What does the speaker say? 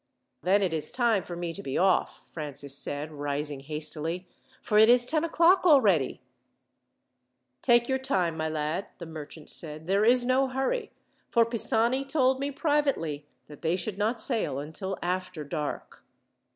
"Then it is time for me to be off," Francis said, rising hastily, "for it is ten o'clock already." "Take your time, my lad," the merchant said. "There is no hurry, for Pisani told me, privately, that they should not sail until after dark."